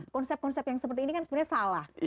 konsep konsep yang seperti ini kan sebenarnya salah